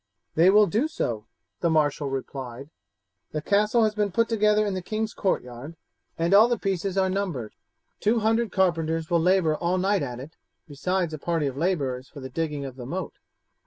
"They will do so," the marshal replied. "The castle has been put together in the king's courtyard, and the pieces are all numbered. Two hundred carpenters will labour all night at it, besides a party of labourers for the digging of the moat.